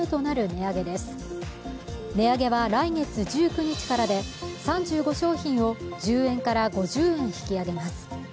値上げは来月１９日からで３５商品を１０円から５０円引き上げます。